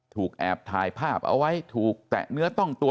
แอบถ่ายภาพเอาไว้ถูกแตะเนื้อต้องตัว